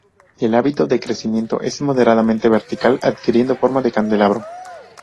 El hábito de crecimiento es moderadamente vertical adquiriendo forma de candelabro.